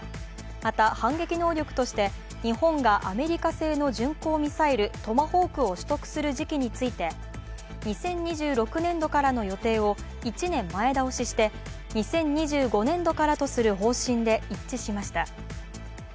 また、反撃能力として日本がアメリカ製の巡航ミサイルトマホークを取得する時期について２０２６年度からの予定を１年前倒しして２０２５年度からとする方針で一致しました。